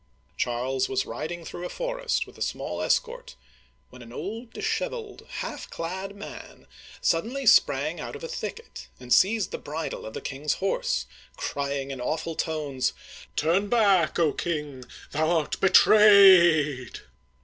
Charles was riding through a forest with a small escort, when an old, disheveled, half clad man suddenly sprang out of a thicket and seized the bridle of the king's horse, crying in awful tones, "Turn back, O king! Thou art betrayed